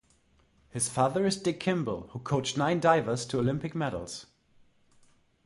His father is Dick Kimball, who coached nine divers to Olympic medals.